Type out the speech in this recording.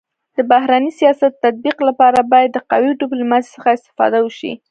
د بهرني سیاست د تطبيق لپاره باید د قوي ډيپلوماسی څخه استفاده وسي.